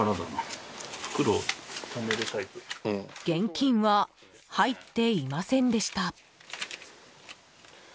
現金は入っていませんでした。